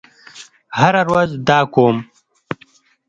هره ورځ دا کوم